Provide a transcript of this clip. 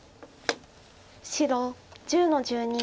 白１０の十二。